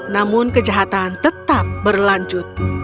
namun kejahatan tetap berlanjut